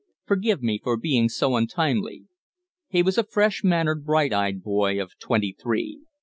"Forgive me for being so untimely." He was a fresh mannered, bright eyed boy of twenty three.